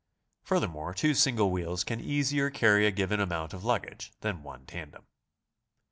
Furthermore, two single wheels can easier carry a given amount of luggage than one tandem.